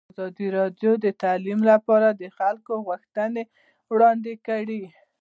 ازادي راډیو د تعلیم لپاره د خلکو غوښتنې وړاندې کړي.